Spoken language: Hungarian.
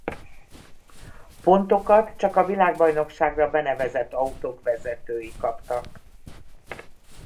Pontokat csak a világbajnokságra benevezett autók vezetői kaptak.